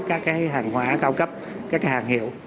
các hàng hóa cao cấp các hàng hiệu